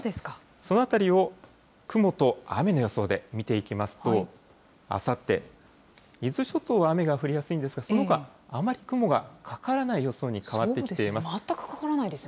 そのあたりを雲と雨の予想で見ていきますと、あさって、伊豆諸島は雨が降りやすいんですが、そのほか、あまり雲がかからない予想に変わってきています。